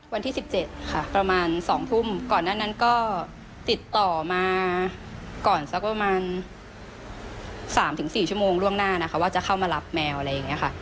วันที่๑๗ค่ะประมาณ๒ทุ่มก่อนหน้านั้นก็ติดต่อมาก่อนสักประมาณ๓๔ชั่วโมงล่วงหน้านะคะว่าจะเข้ามารับแมวอะไรอย่างนี้ค่ะ